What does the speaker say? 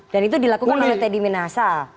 dan itu dilakukan oleh teddy minahasa